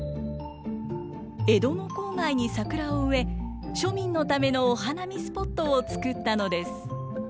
江戸の郊外に桜を植え庶民のためのお花見スポットを作ったのです。